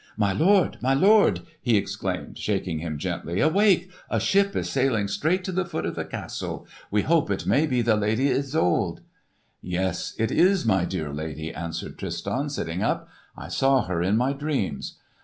"My lord, my lord!" he exclaimed, shaking him gently. "Awake! a ship is sailing straight to the foot of the castle. We hope it may be the Lady Isolde!" "Yes, it is my dear lady," answered Tristan, sitting up. "I saw her in my dreams.